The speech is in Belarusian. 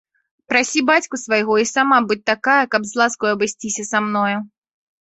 Прасі бацьку свайго і сама будзь такая, каб з ласкай абысціся са мною.